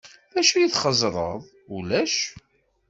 D acu txeẓẓreḍ? Ulac.